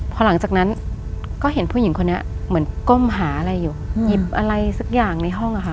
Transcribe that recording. พอหลังจากนั้นก็เห็นผู้หญิงคนนี้เหมือนก้มหาอะไรอยู่หยิบอะไรสักอย่างในห้องอะค่ะ